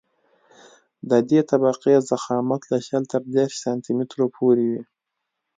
د دې طبقې ضخامت له شل تر دېرش سانتي مترو پورې وي